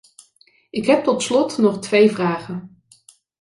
Ik heb tot slot nog twee vragen.